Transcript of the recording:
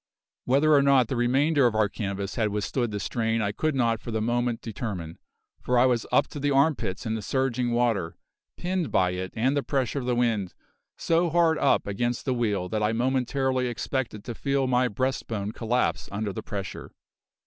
Whether or not the remainder of our canvas had withstood the strain I could not for the moment determine, for I was up to the armpits in the surging water, pinned by it and the pressure of the wind so hard up against the wheel that I momentarily expected to feel my breast bone collapse under the pressure.